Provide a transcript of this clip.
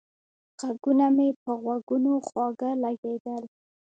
غږونه مې په غوږونو خواږه لگېدل